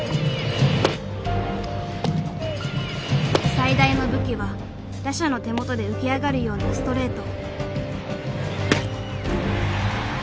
最大の武器は打者の手元で浮き上がるようなストレート。